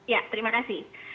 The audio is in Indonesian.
ya terima kasih